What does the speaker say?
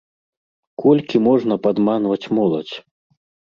Колькі можна падманваць моладзь?!